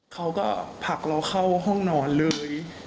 เขาก็ผลักเราเข้าห้องนอนเลย